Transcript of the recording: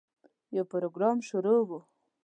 یو پروګرام شروع و.